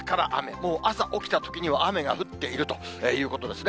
もう朝起きたときには、雨が降っているということですね。